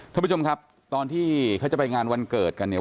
ท่านผู้ชมครับตอนที่เขาจะไปงานวันเกิดกันเนี่ย